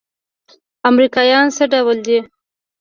امريکايان څه ډول دي.